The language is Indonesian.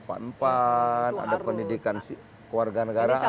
ada pendidikan keluarga negaraan